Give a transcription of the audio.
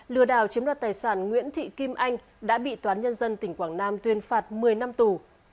lừa đảo chiếm đoạt tài sản nguyễn thị kim anh đã bị toán nhân dân tỉnh quảng nam tuyên phạt một mươi năm tù